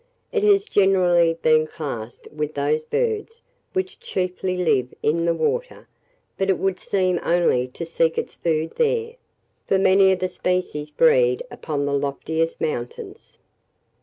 It has generally been classed with those birds which chiefly live in the water; but it would seem only to seek its food there, for many of the species breed upon the loftiest mountains.